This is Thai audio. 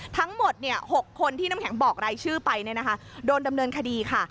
ทั้งหมด๖คนที่น้ำแข็งบอกรายชื่อไปโดนดำเนินคดีค่ะ